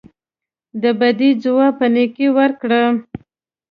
د بدۍ ځواب په نیکۍ ورکړه.